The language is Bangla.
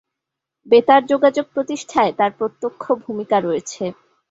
বেতার যোগাযোগ প্রতিষ্ঠায় তার প্রত্যক্ষ ভূমিকা রয়েছে।